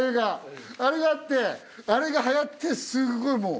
あれがあってあれが流行ってすごいもう。